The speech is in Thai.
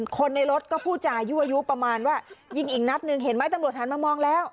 คนในรถก็พูดจายั่วยุประมาณว่ายิงอีกนัดหนึ่งเห็นไหมตำรวจหันมามองแล้ว